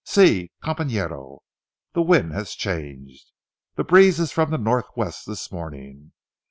See, companero, the wind has changed. The breeze is from the northwest this morning.